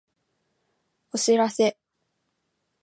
お知らせ